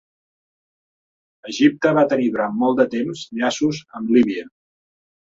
Egipte va tenir durant molt de temps llaços amb Líbia.